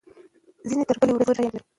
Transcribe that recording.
ځینې تر بلې ورځې پورې ښه یاد لري.